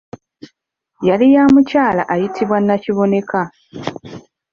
Yali ya mukyala ayitibwa Nakiboneka.